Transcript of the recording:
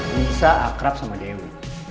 bisa akrab sama dewi